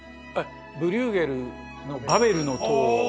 ブリューゲルの「バベルの塔」。